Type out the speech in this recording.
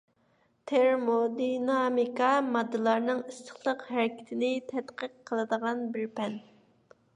تېرمودىنامىكا — ماددىلارنىڭ ئىسسىقلىق ھەرىكىتىنى تەتقىق قىلىدىغان بىر پەن.